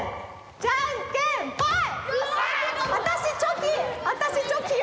じゃんけんぽい！